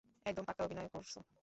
একদম পাক্কা অভিনয় করছো!